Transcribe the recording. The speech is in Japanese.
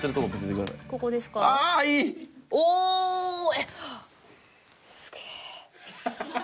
えっすげえ。